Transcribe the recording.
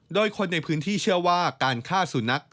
โดยคนในพื้นที่เชื่อว่าการฆ่าสุนัข